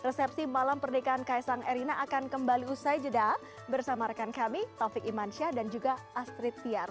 resepsi malam pernikahan kaisang erina akan kembali usai jeda bersama rekan kami taufik iman syah dan juga astrid tiar